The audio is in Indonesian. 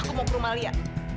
aku mau ke rumah lia